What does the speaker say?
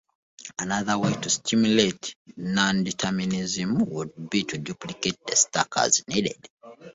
Another way to simulate nondeterminism would be to duplicate the stack as needed.